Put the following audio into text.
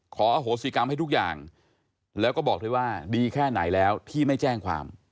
ขออโหสิกรรมให้ทุกอย่างแล้วก็บอกด้วยว่าดีแค่ไหนแล้วที่ไม่แจ้งความ